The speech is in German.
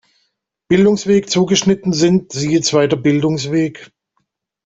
Bildungsweg zugeschnitten sind, siehe Zweiter Bildungsweg.